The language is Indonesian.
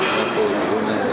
yang kelima sampai indonesia